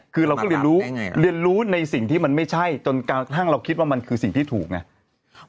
คือเราก็เรียนรู้เรียนรู้ในสิ่งที่มันไม่ใช่จนกระทั่งเราคิดว่ามันคือสิ่งที่ถูกไง